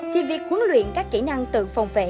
thì việc huấn luyện các kỹ năng tự phòng vệ